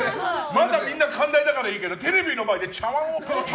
まだみんな寛大だからいいけどテレビの前で。